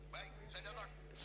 baik saya datang